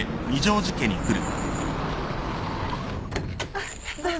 あっどうぞ。